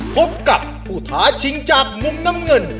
พบกับผู้ท้าชิงจากมุมน้ำเงิน